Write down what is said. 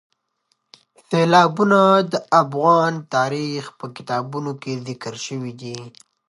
سیلابونه د افغان تاریخ په کتابونو کې ذکر شوي دي.